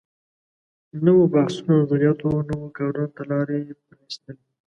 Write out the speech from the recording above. نويو بحثونو او نظریاتو نویو کارونو ته لارې پرانیستلې.